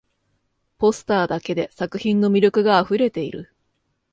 ポスターだけで作品の魅力があふれている